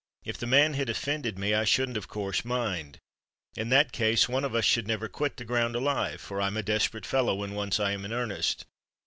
"If the man had offended me, I shouldn't of course mind: in that case, one of us should never quit the ground alive—for I'm a desperate fellow, when once I am in earnest.